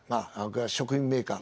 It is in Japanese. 食品メーカー